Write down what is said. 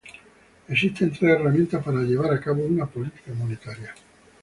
Existen tres herramientas para llevar a cabo una política monetaria.